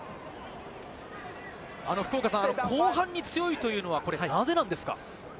福岡さん、後半に強いというのは、なぜなんですか？